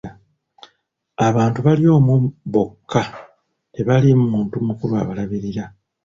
Abantu bali omwo bokka tebaliimu muntu mukulu abalabirira.